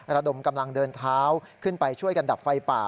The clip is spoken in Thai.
ระดมกำลังเดินเท้าขึ้นไปช่วยกันดับไฟป่า